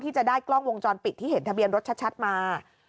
จะได้กล้องวงจรปิดที่เห็นทะเบียนรถชัดมา